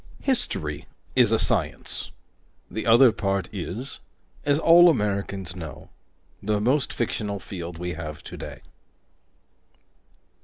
History is a science; the other part is, as all Americans know, the most fictional field we have today.